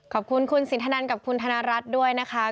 ขอบคุณคุณสินทนันกับคุณธนรัฐด้วยนะคะ